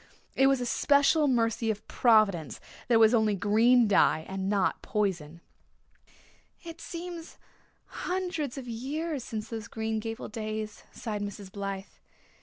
It was a special mercy of Providence that it was only green dye and not poison." "It seems hundreds of years since those Green Gables days," sighed Mrs. Blythe.